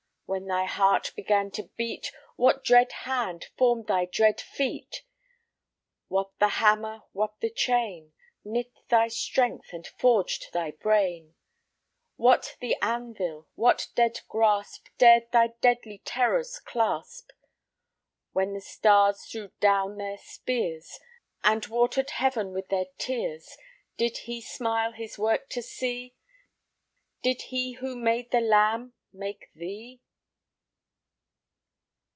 When thy heart began to beat, What dread hand formed thy dread feet? What the hammer, what the chain, Knit thy strength and forged thy brain? What the anvil? What dread grasp Dared thy deadly terrors clasp? When the stars threw down their spears, And water'd heaven with their tears, Did He smile His work to see? Did He who made the lamb make thee?